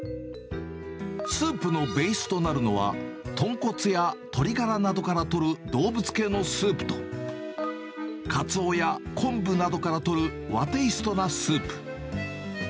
スープのベースとなるのは、豚骨や鶏がらなどからとる動物系のスープと、かつおや昆布などからとる和テーストなスープ。